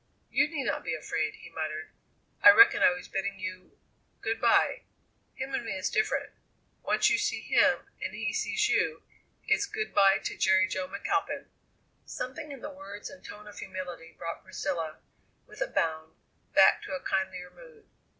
"You need not be afraid," he muttered. "I reckon I was bidding you good bye. Him and me is different. Once you see him and he sees you, it's good bye to Jerry Jo McAlpin." Something in the words and tone of humility brought Priscilla, with a bound, back to a kindlier mood.